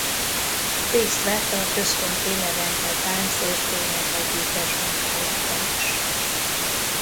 Részt vett a Központi Levente Tánc- és Énekegyüttes munkájában is.